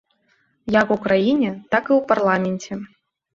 Як у краіне, так і ў парламенце.